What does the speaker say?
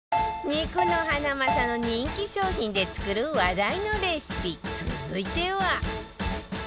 肉のハナマサの人気商品で作る話題のレシピ続いては